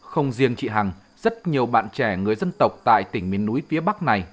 không riêng chị hằng rất nhiều bạn trẻ người dân tộc tại tỉnh miền núi phía bắc này